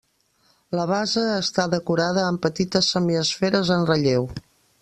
La base està decorada amb petites semiesferes en relleu.